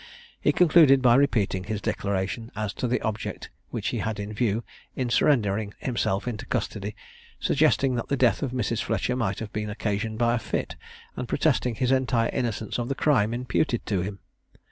He concluded by repeating his declaration as to the object which he had in view, in surrendering himself into custody, suggesting that the death of Mrs. Fletcher might have been occasioned by a fit, and protesting his entire innocence of the crime imputed to him.